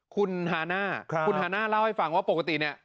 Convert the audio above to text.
คุณฮาน่าคุณฮาน่าเล่าให้ฟังว่าปกติเนี่ย